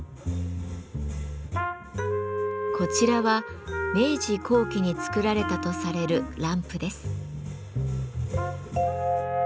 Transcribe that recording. こちらは明治後期に作られたとされるランプです。